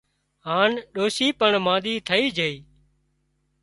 هانَ ڏوشي پڻ مانۮِي ٿئي جھئي